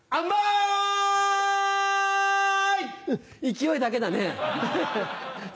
勢いだけだね。